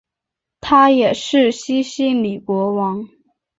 他也是西西里国王。